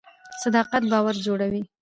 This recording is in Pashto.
صداقت باور جوړوي